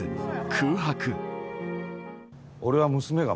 「空白」。